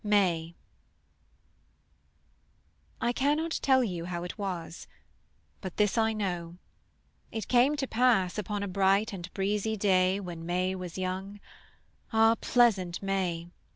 MAY. I cannot tell you how it was; But this I know: it came to pass Upon a bright and breezy day When May was young; ah, pleasant May!